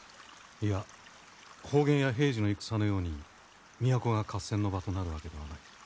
いや保元や平治の戦のように都が合戦の場となるわけではない。